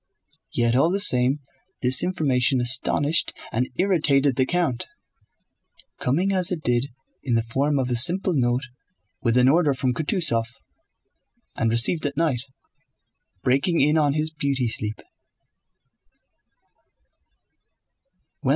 Yet all the same this information astonished and irritated the count, coming as it did in the form of a simple note with an order from Kutúzov, and received at night, breaking in on his beauty sleep.